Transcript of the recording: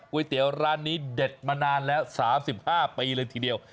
เตี๋ยวร้านนี้เด็ดมานานแล้ว๓๕ปีเลยทีเดียว